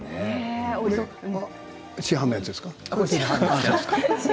帽子は市販のやつですか？